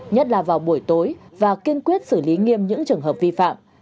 nhất là vào buổi tối và kiên quyết xử lý nghiêm những trường hợp vi phạm